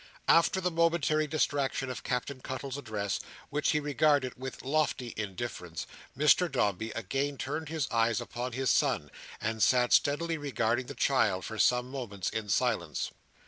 After the momentary distraction of Captain Cuttle's address, which he regarded with lofty indifference, Mr Dombey again turned his eyes upon his son, and sat steadily regarding the child, for some moments, in silence.